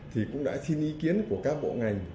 thì cũng đã xin ý kiến của các bộ ngành